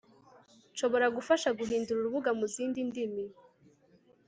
nshobora gufasha guhindura urubuga mu zindi ndimi